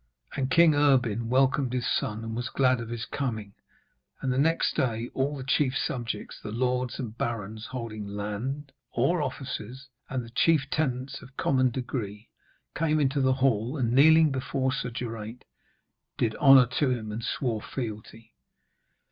And King Erbin welcomed his son and was glad of his coming, and the next day all the chief subjects, the lords and barons holding land or offices, and the chief tenants of common degree, came into the hall, and, kneeling before Sir Geraint, did honour to him and swore fealty.